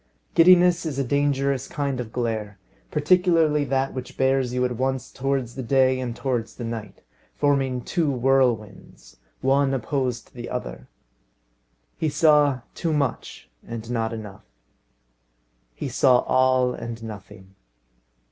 Giddiness is a dangerous kind of glare, particularly that which bears you at once towards the day and towards the night, forming two whirlwinds, one opposed to the other. He saw too much, and not enough. He saw all, and nothing.